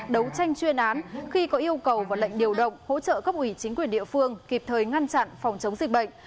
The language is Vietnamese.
đấu tranh chuyên án khi có yêu cầu và lệnh điều động hỗ trợ cấp ủy chính quyền địa phương kịp thời ngăn chặn phòng chống dịch bệnh